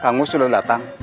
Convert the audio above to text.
kang mus sudah datang